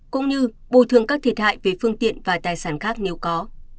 cũng như bù thường các thiệt hại về phương tiện và tài sản khác nếu có